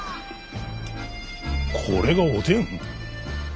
これがおでん？